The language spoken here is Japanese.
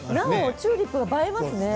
チューリップが映えますね。